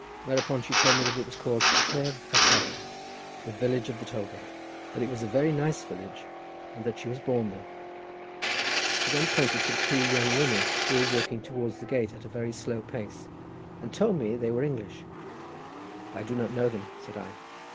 Whereupon she told me that it was called Tref y Talcot—the village of the toll gate. That it was a very nice village, and that she was born there. She then pointed to two young women who were walking towards the gate at a very slow pace, and told me they were English. "I do not know them," said I.